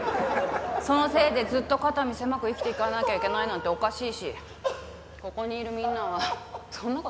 そのせいでずっと肩身狭く生きていかなきゃいけないなんておかしいしここにいるみんなはそんな事気にしないって。